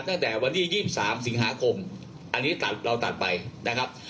ตั้งแต่วันที่๒๓สิงหาคมอันนี้ตัดเราตัดไปนะครับ